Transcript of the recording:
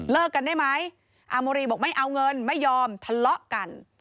กันได้ไหมอาโมรีบอกไม่เอาเงินไม่ยอมทะเลาะกัน